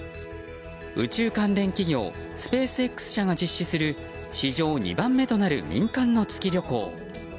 宇宙関連企業スペースＸ社が実施する史上２番目となる民間の月旅行。